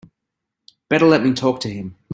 Better let me talk to him.